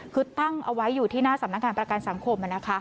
คือตั้งเอาไว้อยู่ที่หน้าสำนักงานประกันสังคม